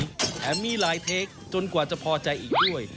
แถมมีหลายเทคจนกว่าจะพอใจอีกด้วย